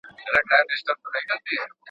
نه په کوډګرو نه په مُلا سي.